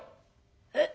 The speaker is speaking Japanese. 「えっ？